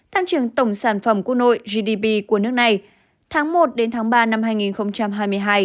tăng trưởng tổng sản phẩm quốc nội gdp của nước này tháng một đến tháng ba năm hai nghìn hai mươi hai